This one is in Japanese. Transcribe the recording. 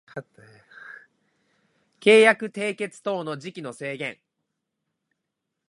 契約締結等の時期の制限